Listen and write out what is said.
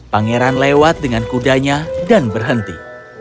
pangeran lewat dengan kudanya dan berhenti